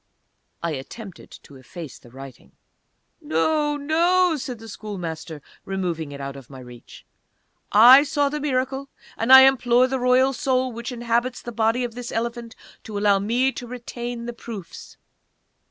I attempted to efface the writing. "No, no," said the Schoolmaster, removing it out of my reach. "I saw the Miracle, and I implore the Royal Soul which inhabits the body of this Elephant to allow me to retain the proofs!"